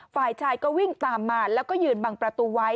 ฝ่ายชายก็วิ่งตามมาแล้วก็ยืนบังประตูไว้